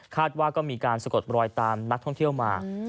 ว่าก็มีการสะกดรอยตามนักท่องเที่ยวมา